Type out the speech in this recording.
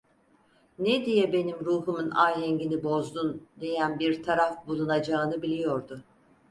"Ne diye benim ruhumun ahengini bozdun?" diyen bir taraf bulunacağını biliyordu.